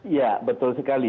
ya betul sekali